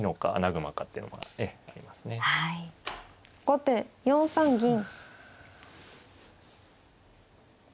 後手４三銀。